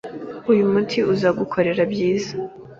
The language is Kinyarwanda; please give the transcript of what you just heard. Uyu muti uzagukorera ibyiza!